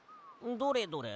どれどれ？